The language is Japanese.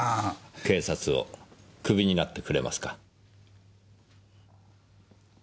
警察をクビになってくれますか？